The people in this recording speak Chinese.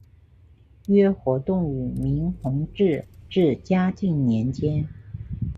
约活动于明弘治至嘉靖年间。